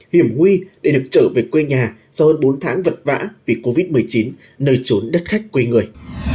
hiểm nguy để được trở về quê nhà sau hơn bốn tháng vật vã vì covid một mươi chín nơi trốn đất khách quê người